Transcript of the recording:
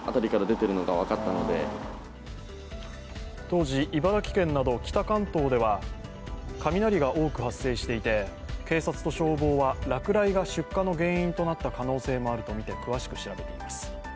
当時、茨城県など北関東では雷が多く発生していて警察と消防は落雷が出火の原因となった可能性もあるとみて詳しく調べています。